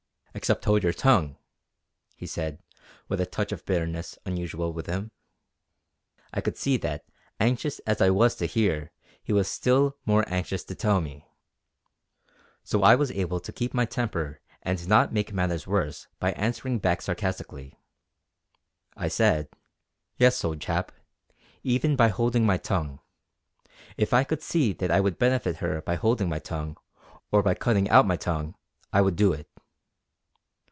"Except hold your tongue!" he said with a touch of bitterness unusual with him. I could see that anxious as I was to hear he was still more anxious to tell me; so I was able to keep my temper and not make matters worse by answering back sarcastically. I said: "Yes, old chap, even by holding my tongue. If I could see that I would benefit her by holding my tongue, or by cutting out my tongue, I would do it.